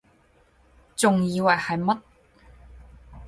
仲以為係乜????